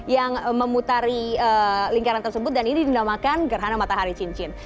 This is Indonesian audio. yang memutari lingkaran tersebut dan ini dinamakan gerhana matahari cincin